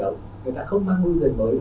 người ta không mang đôi giày mới